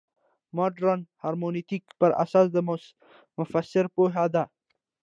مډرن هرمنوتیک پر اساس د مفسر پوهه ده.